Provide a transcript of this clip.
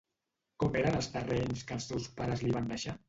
Com eren els terrenys que els seus pares li van deixar?